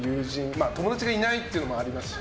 友達がいないっていうのもありますし。